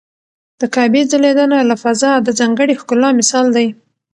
د کعبې ځلېدنه له فضا د ځانګړي ښکلا مثال دی.